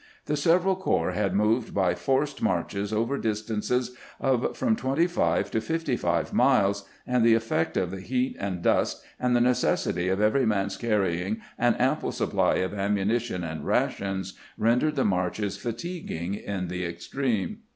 The several corps had moved by forced marches over distances of from twenty five to fifty five miles, and the effect of the heat and dust, and the necessity of every man's carrying an ample supply of ammunition and rations, rendered the marches fatiguing in the extreme.